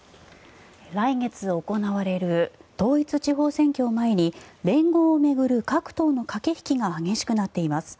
来月行われる統一地方選挙を前に連合を巡る各党の駆け引きが激しくなっています。